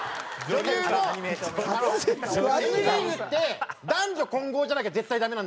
Ｍリーグって男女混合じゃなきゃ絶対ダメなんですよ。